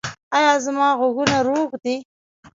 ایا زما غوږونه روغ دي؟